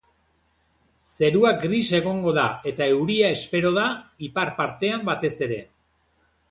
Zerua gris egongo da eta euria espero da, ipar partean batez ere.